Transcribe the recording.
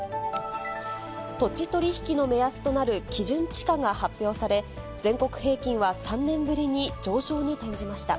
土地取り引きの目安となる基準地価が発表され、全国平均は３年ぶりに上昇に転じました。